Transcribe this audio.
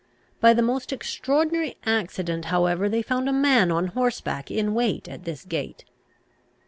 By the most extraordinary accident, however, they found a man on horseback in wait at this gate.